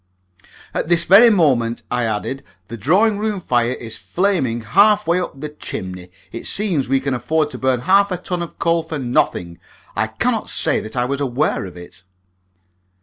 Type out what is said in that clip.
"At this very moment," I added, "the drawing room fire is flaming half way up the chimney. It seems we can afford to burn half a ton of coals for nothing. I cannot say that I was aware of it."